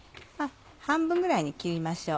半分ぐらいに切りましょう。